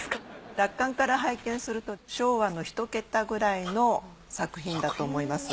落款から拝見すると昭和の一桁くらいの作品だと思います。